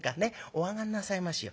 お上がんなさいましよ。